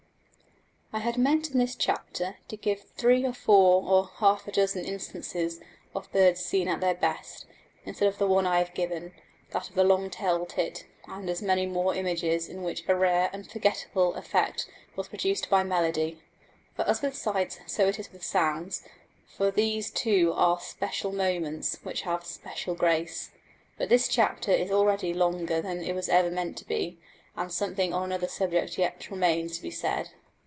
I had meant in this chapter to give three or four or half a dozen instances of birds seen at their best, instead of the one I have given that of the long tailed tit; and as many more images in which a rare, unforgettable effect was produced by melody. For as with sights so it is with sounds: for these too there are "special moments," which have "special grace." But this chapter is already longer than it was ever meant to be, and something on another subject yet remains to be said.